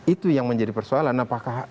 itu yang menjadi persoalan apakah